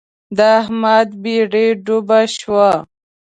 د احمد بېړۍ ډوبه شوه.